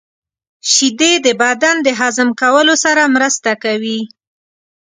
• شیدې د بدن د هضم کولو سره مرسته کوي.